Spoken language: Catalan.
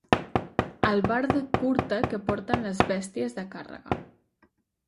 Albarda curta que porten les bèsties de càrrega.